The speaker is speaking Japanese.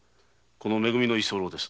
「め組」の居候です。